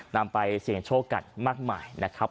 นำไปเสี่ยงโชคกันมากมายนะครับ